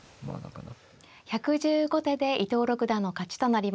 １１５手で伊藤六段の勝ちとなりました。